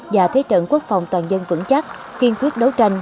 và thế trận quốc phòng toàn dân vững chắc kiên quyết đấu tranh